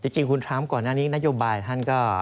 จริงคุณทรัมป์ก่อนหน้านี้นโยบายท่านก็